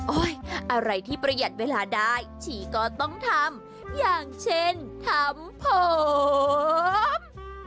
อะไรที่ประหยัดเวลาได้ชีก็ต้องทำอย่างเช่นทำผม